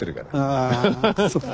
あそっか。